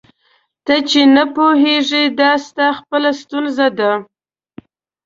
ته چي نه پوهېږې دا ستا خپله ستونزه ده.